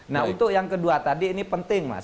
nah untuk yang kedua tadi ini penting mas